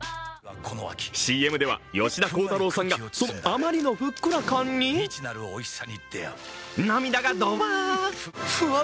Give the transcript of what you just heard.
ＣＭでは吉田鋼太郎さんがそのあまりのふっくら感に涙がドバ。